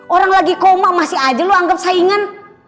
orang lagi koma masih aja lu anggap saingan